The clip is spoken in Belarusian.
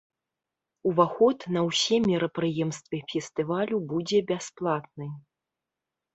Уваход на ўсе мерапрыемствы фестывалю будзе бясплатны.